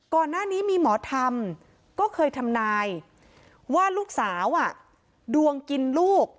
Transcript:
ก่อนหน้านี้มีหมอธรรมก็เคยทำนายว่าลูกสาวดวงกินลูก